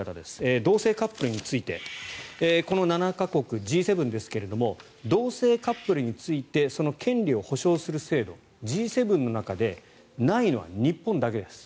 同性カップルについてこの７か国、Ｇ７ですが同性カップルについてその権利を保障する制度Ｇ７の中でないのは日本だけです。